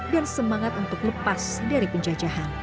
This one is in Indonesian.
dan semangat untuk lepas dari penjajahan